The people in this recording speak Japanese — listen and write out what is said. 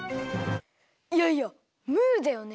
いやいやムールだよね？